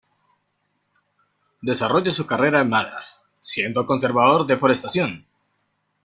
Desarrolla su carrera en Madras, siendo conservador de forestación.